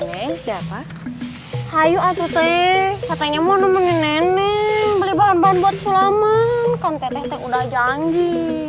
neng hai ayo aku teh katanya mau nemenin nenek beli bahan bahan buat sulaman konten udah janji